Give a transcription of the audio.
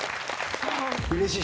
うれしい。